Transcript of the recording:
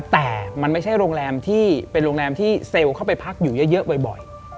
แต่มันไม่ใช่โรงแรมที่เป็นโรงแรมที่เซลล์เข้าไปพักอยู่เยอะบ่อย